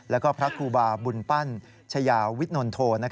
แล้วก็พระครูบาบุญปั้นชายาวิทนนโท